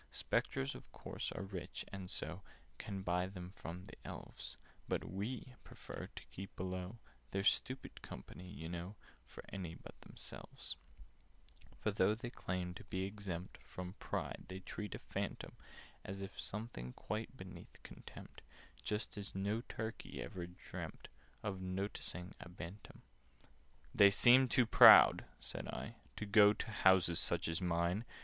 "Spectres of course are rich, and so Can buy them from the Elves: But we prefer to keep below— They're stupid company, you know, For any but themselves: "For, though they claim to be exempt From pride, they treat a Phantom As something quite beneath contempt— Just as no Turkey ever dreamt Of noticing a Bantam." [Picture: The phantom] "They seem too proud," said I, "to go To houses such as mine.